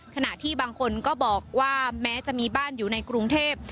ขณะที่บางคนก็บอกว่าแม้จะมีบ้านอยู่ในกรุงเทพ